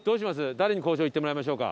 誰に交渉行ってもらいましょうか。